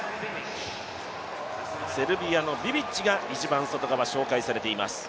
セルビアのビビッチが一番外側、紹介されています。